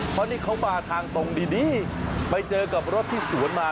เพราะนี่เขามาทางตรงดีไปเจอกับรถที่สวนมา